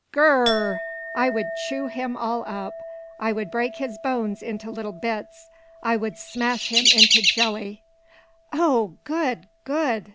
Gr r r! I would chew him all up! I would break his bones into little bits! I would smash him into jelly!" "Oh, good, good!